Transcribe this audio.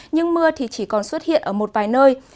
nhưng mưa thì chỉ còn xuất hiện ở một vài nơi